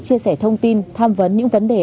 chia sẻ thông tin tham vấn những vấn đề